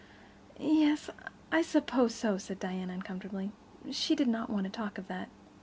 "Yes, I suppose so," said Diana uncomfortably. She did not want to talk of that.